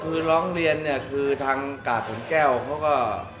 คือร้องเรียนเนี่ยคือทางกาดสวนแก้วเขาก็